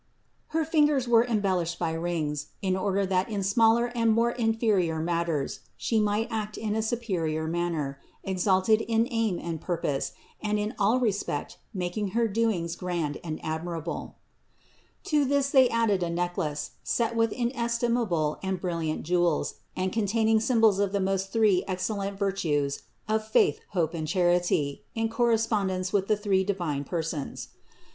Her fingers were embellished by rings, in order that in smaller or more inferior matters She might act in a superior manner, exalted in aim and pur pose and in all respect making her doings grand and admirable. To this they added a necklace, set with in estimable and brilliant jewels and containing symbols of the three most excellent virtues of faith, hope and charity in correspondence with the three divine Persons.